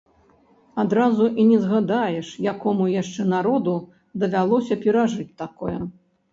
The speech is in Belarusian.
Адразу і не згадаеш, якому яшчэ народу давялося перажыць такое.